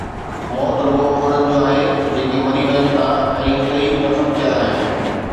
موت رڳو انهن جو آهي، جيڪي مري وڃن ٿا ۽ اتي ئي دفن ٿيل آهن